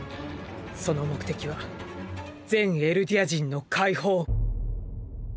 その目的は全エルディア人の解放！